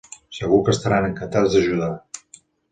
Segur que estaran encantats d'ajudar.